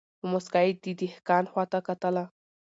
په موسکا یې د دهقان خواته کتله